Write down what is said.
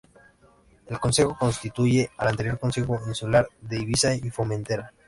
El Consejo sustituye al anterior Consejo Insular de Ibiza y Formentera.